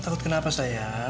takut kenapa sayang